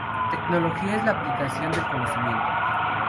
Tecnología es la aplicación del conocimiento.